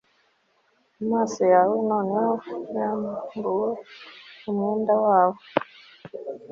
amaso yawe noneho yambuwe umwenda wabo